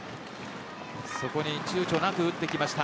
そこにちゅうちょなく打ってきました。